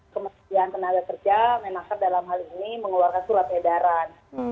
kementerian tenaga kerja memang dalam hal ini mengeluarkan surat edaran